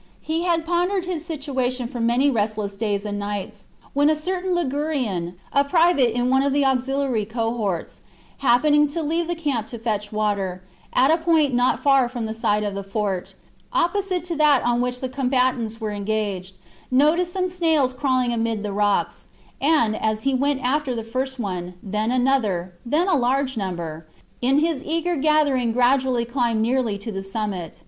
He had pondered his situation for many restless days and nights, when a certain Ligurian, a private in one of the auxiliary cohorts, happening to leave the camp to fetch water, at a point not far from the side of the fort, opposite to that on which the combatants were engaged, noticed some snails crawling amid the rocks, and, as he went after first one, then another, and then a larger number, in his eager gathering gradually climbed nearly to the summit.